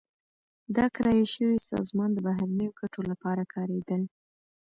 دا کرایه شوې سازمان د بهرنیو ګټو لپاره کارېدل.